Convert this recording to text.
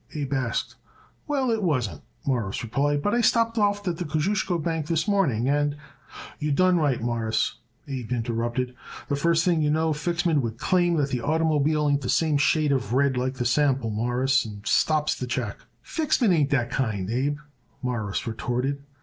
Abe asked. "Well, it wasn't," Morris replied, "but I stopped off at the Kosciusko Bank this morning and " "You done right, Mawruss," Abe interrupted. "The first thing you know Fixman would claim that the oitermobile ain't the same shade of red like the sample, Mawruss, and stops the check." "Fixman ain't that kind, Abe," Morris retorted.